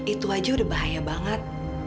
itu saja sudah bahaya banget